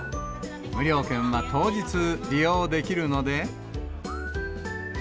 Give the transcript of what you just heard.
無料券は当日、利用できるので。